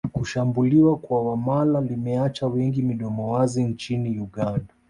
Kushambuliwa kwa Wamala limeacha wengi midomo wazi nchini Uganda